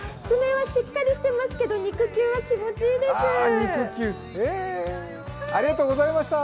爪はしっかりしてますけど、肉球は気持ちいいです。